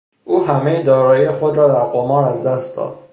او همهی دارایی خود را در قمار از دست داد.